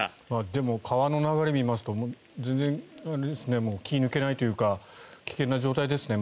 でも、川の流れを見ますと気を抜けないというかまだ危険な状態ですね。